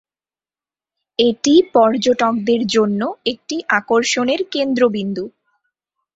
এটি পর্যটকদের জন্য একটি আকর্ষণের কেন্দ্রবিন্দু।